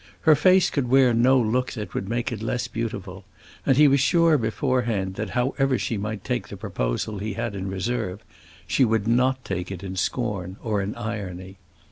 Her face could wear no look that would make it less beautiful, and he was sure beforehand that however she might take the proposal he had in reserve, she would not take it in scorn or in irony.